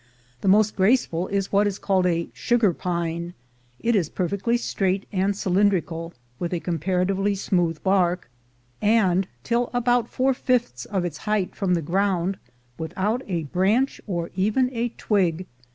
The most graceful is what is called the "sugar pine." It is perfectly straight and cylindrical, with a comparatively smooth bark, and, till about four fifths of its height from the ground, without a branch or even a twig.